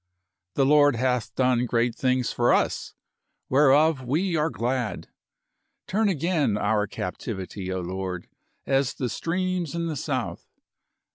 The Lord hath done great things for us j whereof we are glad. Turn again our captivity, 0 Lord, as the streams in the south.